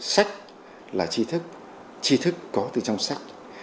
sách là chi thức tri thức có từ trong sách